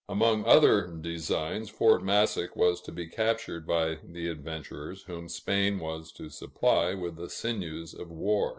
Among other designs, Fort Massac was to be captured by the adventurers, whom Spain was to supply with the sinews of war.